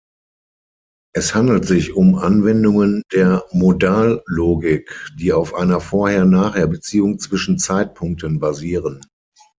Es handelt sich um Anwendungen der Modallogik, die auf einer Vorher-Nachher-Beziehung zwischen Zeitpunkten basieren.